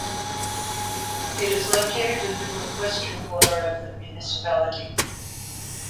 It is located in the northwestern corner of the municipality.